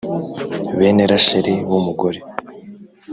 Bene Rasheli b umugore